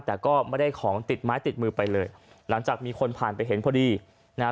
แต่ก็ไม่ได้ของติดไม้ติดมือไปเลยหลังจากมีคนผ่านไปเห็นพอดีนะฮะ